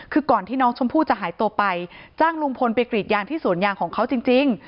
คือก่อนที่น้องชมพู่จะหายตัวไปจ้างลุงพลไปกรีดยางที่สวนยางของเขาจริง